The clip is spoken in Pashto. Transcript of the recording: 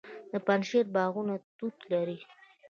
د پنجشیر باغونه توت لري.